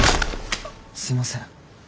すいません。